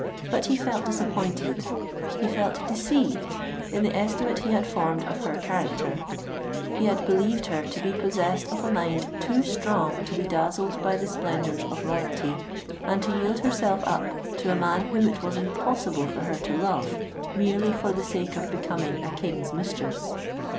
But he felt disappointed—he felt deceived in the estimate he had formed of her character: he had believed her to be possessed of a mind too strong to be dazzled by the splendours of Royalty, and to yield herself up to a man whom it was impossible for her to love, merely for the sake of becoming a King's mistress.